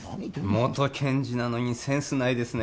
元検事なのにセンスないですね